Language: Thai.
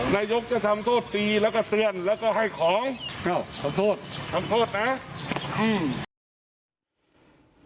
นายกจะทำโทษตีแล้วก็เตือนแล้วก็ให้ของอ้าวขอโทษทำโทษนะอืม